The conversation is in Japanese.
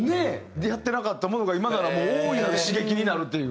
出会ってなかったものが今なら大いなる刺激になるという。